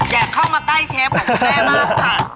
แยกเข้ามาใกล้เชฟกันแน่มากค่ะ